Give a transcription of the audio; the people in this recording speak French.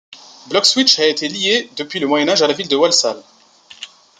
Bloxwich a été liée, depuis le Moyen Âge, à la ville de Walsall.